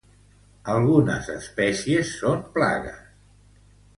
Algunes espècies són plagues.